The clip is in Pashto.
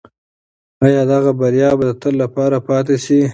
آیا دغه بریا به د تل لپاره پاتې شي؟